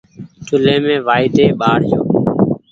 چوليم وآئيۮي ٻآڙ جو